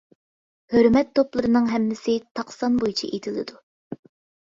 ھۆرمەت توپلىرىنىڭ ھەممىسى تاق سان بويىچە ئېتىلىدۇ.